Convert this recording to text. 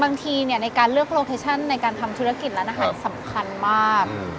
บางทีในการเลือกโลเคชั่นในการทำธุรกิจร้านอาหารสำคัญมาก